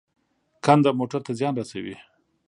کنده موټر ته زیان رسوي.